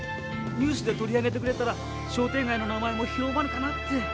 ニュースで取り上げてくれたら商店がいの名前も広まるかなって。